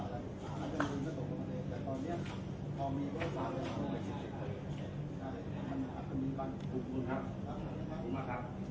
เราจะทำให้เชิญสุขเสริมด้วยครับทำให้ประสบคุณสำหรับสิทธิ์สุขเสริม